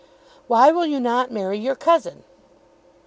"Why will you not marry your cousin?"